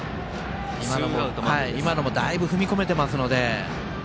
今のもだいぶ踏み込めてますので。